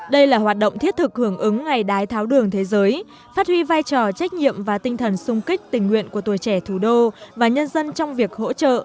đây là hoạt động thiết thực hưởng ứng ngày đái tháo đường thế giới phát huy vai trò trách nhiệm và tinh thần sung kích tình nguyện của tuổi trẻ thủ đô và nhân dân trong việc hỗ trợ